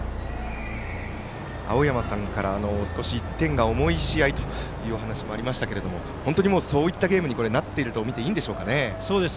青山さんから１点が重い試合というお話もありましたが本当にそういったゲームになっているとみていいんでしょうかね。